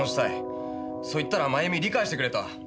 そう言ったらまゆみ理解してくれた。